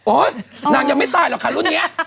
นางยังไม่ตายหรอกค่ะรุ่นนี้